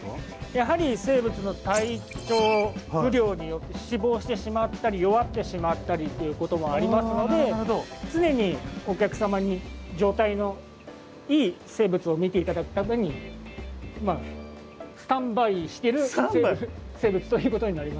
やはり生物の体調不良によって死亡してしまったり弱ってしまったりということもありますので常にお客様に状態のいい生物を見て頂くためにスタンバイしてる生物ということになります。